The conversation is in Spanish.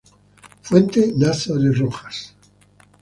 Fuente: Nazareth Rojas.